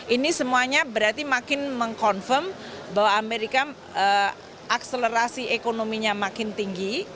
ini semuanya berarti makin meng confirm bahwa amerika akselerasi ekonominya makin tinggi